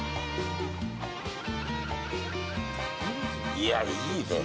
いやぁ、いいねぇ。